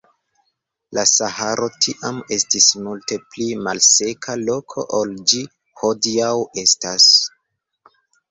La Saharo tiam estis multe pli malseka loko ol ĝi hodiaŭ estas.